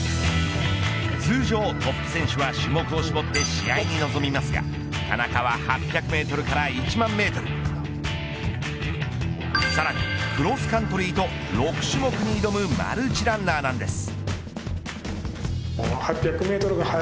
通常トップ選手は種目を絞って試合に臨みますが田中は８００メートルから１万メートルさらにクロスカントリーと６種目に挑むマルチランナーなんです。